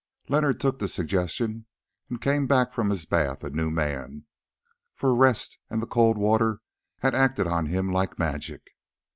Leonard took the suggestion, and came back from his bath a new man, for rest and the cold water had acted on him like magic.